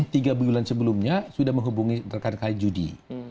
tiga bulan sebelumnya sudah menghubungi rekan rekan judi